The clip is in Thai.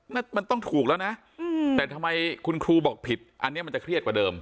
นั่นมันต้องถูกแล้วนะแต่ทำไมคุณครูบอกผิดอันนี้มันจะเครียดกว่าเดิม